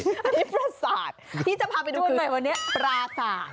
อันนี้ปราศาสตร์ที่จะพาไปดูคือปราศาสตร์